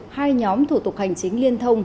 hai nhóm thủ tục hành chính liên thông